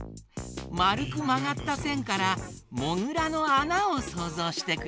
まるくまがったせんから「モグラのあな」をそうぞうしてくれたよ。